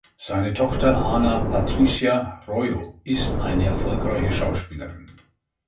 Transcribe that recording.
Seine Tochter Ana Patricia Rojo ist eine erfolgreiche Schauspielerin.